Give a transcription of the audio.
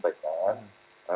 kepada producers dan fans kita